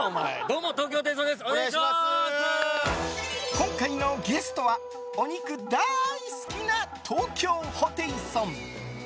今回のゲストはお肉大好きな東京ホテイソン。